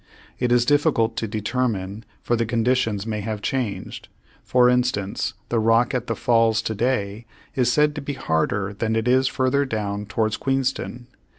It is difficult to determine, for the conditions may have changed; for instance, the rock at the Falls to day is said to be harder than it is further down toward Queenstown.